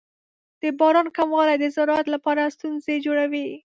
د باران کموالی د زراعت لپاره ستونزې جوړوي.